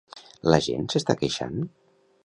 La gent s'està queixant?